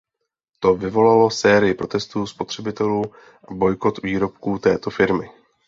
To vyvolalo sérii protestů spotřebitelů a bojkot výrobků této firmy.